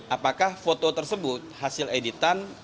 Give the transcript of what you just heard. apakah foto tersebut hasil editan